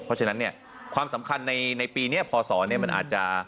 เพราะฉะนั้นเนี่ยความสำคัญในปีนี้พศมันอาจจะ